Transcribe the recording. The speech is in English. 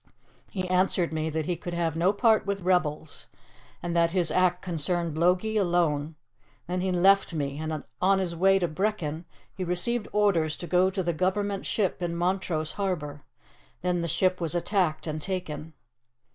He answered me that he could have no part with rebels, and that his act concerned Logie alone. Then he left me, and on his way to Brechin he received orders to go to the Government ship in Montrose Harbour. Then the ship was attacked and taken."